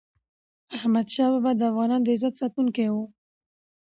احمد شاه بابا د افغانانو د عزت ساتونکی و.